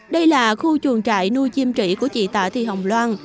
đây là khu chuồng trại nuôi chim chỉ của chị tạ thi hồng loan